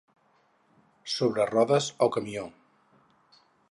Sobre rodes o camió.